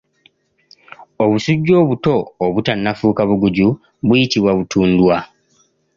Obusujju obuto obutannafuuka buguju buyitibwa butundwa.